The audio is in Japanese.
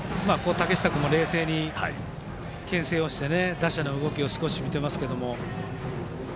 竹下君も冷静にけん制をして打者の動きを見ていますけど。